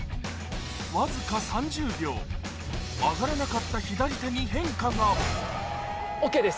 わずか３０秒上がらなかった左手に変化がＯＫです